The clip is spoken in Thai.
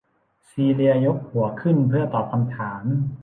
ซีเลียยกหัวขึ้นเพื่อตอบคำถาม